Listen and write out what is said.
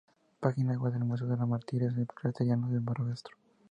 Página web del Museo de los Mártires Claretianos de Barbastro